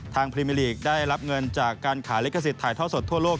พรีเมอร์ลีกได้รับเงินจากการขายลิขสิทธิ์ถ่ายท่อสดทั่วโลก